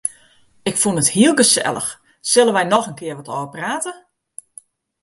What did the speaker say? Ik fûn it heel gesellich, sille wy noch in kear wat ôfprate?